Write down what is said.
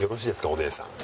お姉さん。